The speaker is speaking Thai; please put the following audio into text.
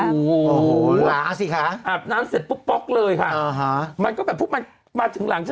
โอ้โฮหลาสิค่ะอาบน้ำเสร็จปุ๊บป๊อกเลยค่ะมันก็แบบปุ๊บมันมาถึงหลัง